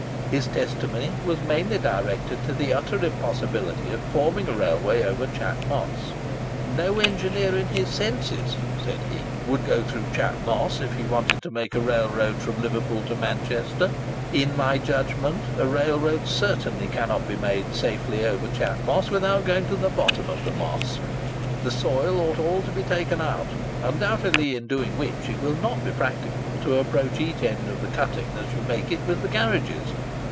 His testimony was mainly directed to the utter impossibility of forming a railway over Chat Moss. "No engineer in his senses," said he, "would go through Chat Moss if he wanted to make a railroad from Liverpool to Manchester. ... In my judgment _a railroad certainly cannot be safely made over Chat Moss without going to the bottom __of the Moss_. The soil ought all to be taken out, undoubtedly; in doing which, it will not be practicable to approach each end of the cutting, as you make it, with the carriages.